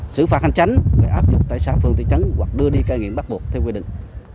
xử phạt hành tránh để áp dụng tại xã phường tỉ trấn hoặc đưa đi ca nghiệm bắt buộc theo quy định